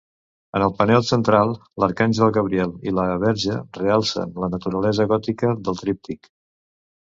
En el panel central, l'arcàngel Gabriel i la Verge realcen la naturalesa gòtica del tríptic.